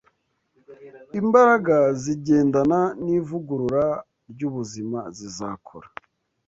Imbaraga zigendana n’ivugurura ry’ubuzima zizakora